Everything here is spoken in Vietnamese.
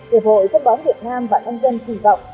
hiệp hội phân bón việt nam và nông dân kỳ vọng